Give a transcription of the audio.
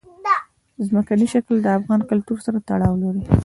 ځمکنی شکل د افغان کلتور سره تړاو لري.